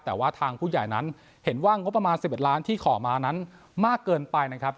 แต่ว่าทางผู้ใหญ่นั้นเห็นว่างบประมาณ๑๑ล้านที่ขอมานั้นมากเกินไปนะครับ